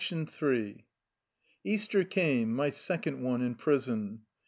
Ill Easter came, my second one in prison.